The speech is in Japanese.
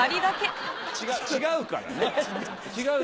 違うからね。